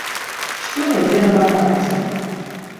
Што вядзе да багацця?